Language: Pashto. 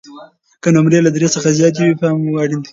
که نمرې له درې څخه زیاتې وي، پام مو اړین دی.